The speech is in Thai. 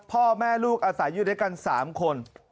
พ่อแม่ลูกอาศัยอยู่ด้วยกัน๓คน